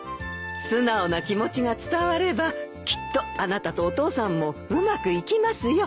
素直な気持ちが伝わればきっとあなたとお父さんもうまくいきますよ。